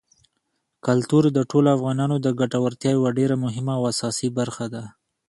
کلتور د ټولو افغانانو د ګټورتیا یوه ډېره مهمه او اساسي برخه ده.